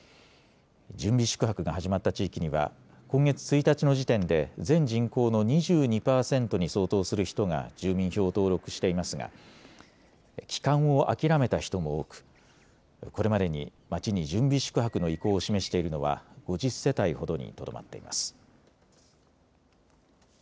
準備宿泊が始まった地域には今月１日の時点で全人口の２２％に相当する人が住民票を登録していますが、帰還を諦めた人も多く、これまでに町に準備宿泊の意向を示しているのは５０世帯ほどにとどまっています。